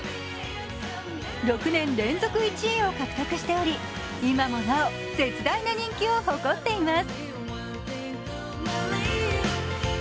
６年連続１位を獲得しており今もなお絶大な人気を誇っています。